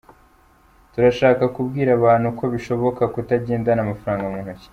Turashakaga kubwira abantu ko bishoboka kutagendana amafaranga mu ntoki.